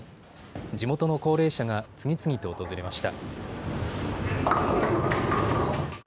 地元の高齢者が次々と訪れました。